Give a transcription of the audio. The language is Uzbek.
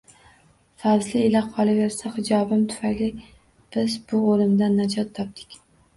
Fazli ila, qolaversa xijobim tufayli biz bu oʻlimdan najot topdik!